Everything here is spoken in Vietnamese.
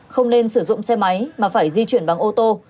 không nên sử dụng xe máy mà phải di chuyển bằng ô tô